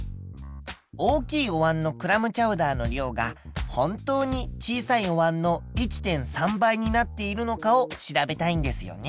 大きいおわんのクラムチャウダーの量が本当に小さいおわんの１．３倍になっているのかを調べたいんですよね。